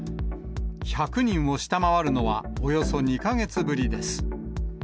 １００人を下回るのは、およそ２か月ぶりです。